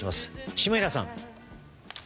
下平さん。